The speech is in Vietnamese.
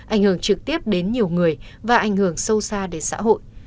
ảnh hưởng trực tiếp đến nhiều người và ảnh hưởng sâu xa đến xã hội